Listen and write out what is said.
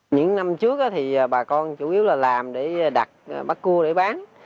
những năm trước thì bà con chủ yếu là làm để đặt bắt cua để bán